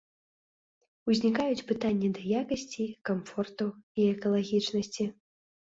Узнікаюць пытанні да якасці, камфорту і экалагічнасці.